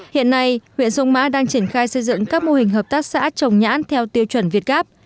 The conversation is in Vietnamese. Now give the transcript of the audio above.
hiện nay huyện sông mã đang triển khai xây dựng các mô hình hợp tác xã trồng nhãn theo tiêu chuẩn việt gáp